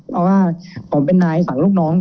เพราะว่าผมเป็นนายฝั่งลูกน้อง